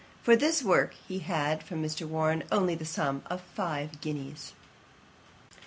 For this work he had from Mr. Warren only the sum of five guineas.